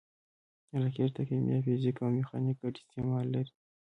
راکټ د کیمیا، فزیک او میخانیک ګډ استعمال لري